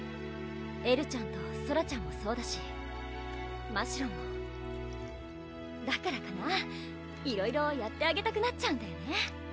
エルちゃんとソラちゃんもそうだしましろんもだからかないろいろやってあげたくなっちゃうんだよね